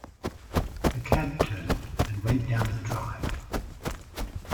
The cab turned and went down the drive.